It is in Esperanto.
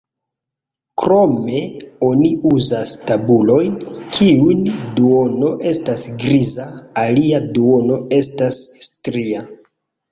Krome oni uzas tabulojn, kiun duono estas griza, alia duono estas stria.